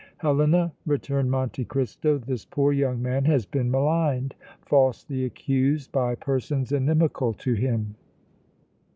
"Helena," returned Monte Cristo, "this poor young man has been maligned, falsely accused by persons inimical to him."